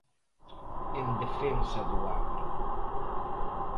En defensa do agro.